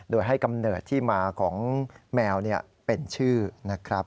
โดยให้กำเนิดที่มาของแมวเป็นชื่อนะครับ